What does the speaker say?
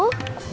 terima kasih bos